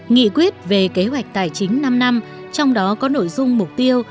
nghị quyết về kế hoạch tài chính năm năm trong đó có nội dung mục tiêu